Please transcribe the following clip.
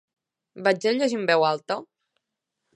Vaig a llegir en veu alta?